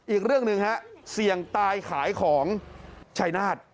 อีกเรื่องหนึ่งฮะเสี่ยงตายขายของชัยนาฏ